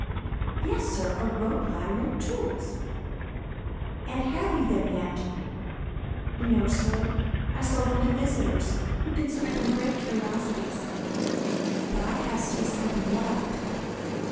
"Yes, sir, a rope ladder and tools." "And have you them yet?" "No, sir; I sold them to visitors, who considered them great curiosities; but I have still something left."